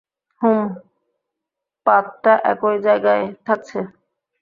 হুম, পাতটা একই জায়গায় থাকছে।